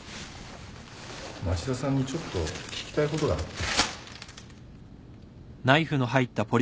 町田さんにちょっと聞きたいことがあって。